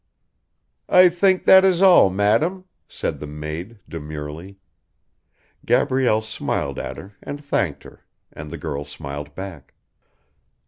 "I think that is all, madam," said the maid demurely. Gabrielle smiled at her and thanked her, and the girl smiled back.